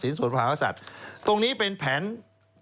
มีแผ่นผังแบ่งแบ่งแผ่นสำนักงาน